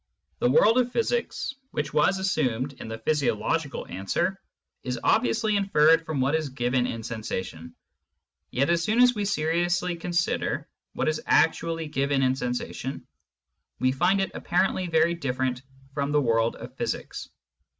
The world of physics, which was assumed in the physiological answer, is ob viously inferred from what is given in sensation ; yet as soon as we seriously consider what is actually given in sensation, we find it apparently very different from the world of physics.